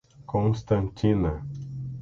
Constantina